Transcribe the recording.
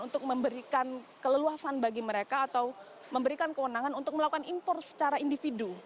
untuk memberikan keleluasan bagi mereka atau memberikan kewenangan untuk melakukan impor secara individu